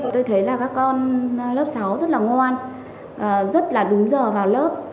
tôi thấy là các con lớp sáu rất là ngoan rất là đúng giờ vào lớp